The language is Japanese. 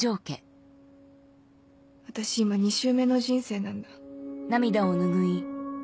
私今２周目の人生なんだ。